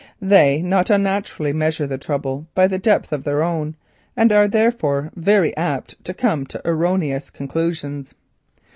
They, not unnaturally, measure the trouble by the depth of their own, and are therefore very apt to come to erroneous conclusions.